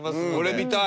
見たい！